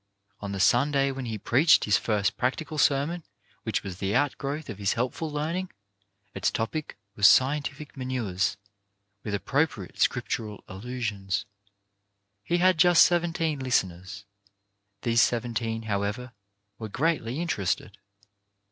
On the Sunday when he preached his first practical ser mon which was the outgrowth of his helpful learn ing, its topic was scientific manures, with appro priate scriptural allusions. He had just seven teen listeners. These seventeen, however, were greatly interested.